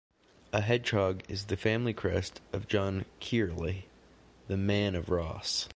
A hedgehog is the family crest of John Kyrle, the "Man of Ross".